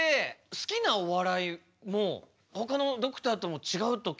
好きなお笑いも他のドクターとも違うと聞いたんですけど。